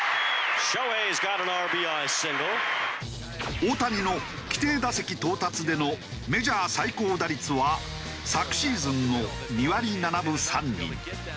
大谷の規定打席到達でのメジャー最高打率は昨シーズンの２割７分３厘。